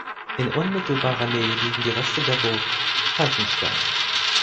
In unmittelbarer Nähe liegen die Reste der Burg „Falkenstein“.